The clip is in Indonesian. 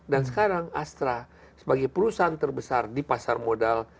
dan sekarang astra sebagai perusahaan terbesar di pasar modal